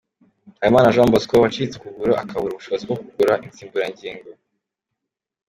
Habimana Jean Bosco, wacitse ukuguru akabura ubushobozi bwo kugura insimburangingo.